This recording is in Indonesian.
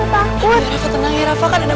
vai yang terbang takut nangis operasi dengan